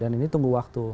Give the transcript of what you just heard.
dan ini tunggu waktu